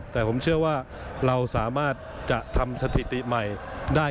แต่ผมเชื่อว่าเราสามารถจะทำสถิติใหม่ได้